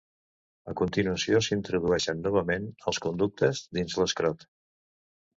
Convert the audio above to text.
A continuació s'introdueixen novament els conductes dins l'escrot.